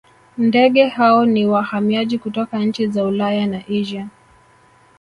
ndeege hao ni wahamiaji kutoka nchi za ulaya na asia